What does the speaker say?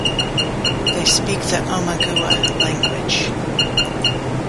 They speak the Omagua language.